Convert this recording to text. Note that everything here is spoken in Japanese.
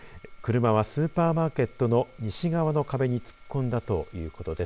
車はスーパーマーケットの西側の壁に突っ込んだということです。